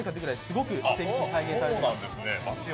すごく精密に再現されてます。